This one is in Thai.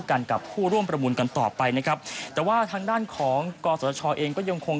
กันกับผู้ร่วมประมูลกันต่อไปนะครับแต่ว่าทางด้านของกศชเองก็ยังคง